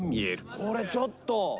「これちょっと」